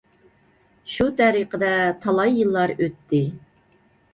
شۇ تەرىقىدە تالاي يىللار ئۆتتى.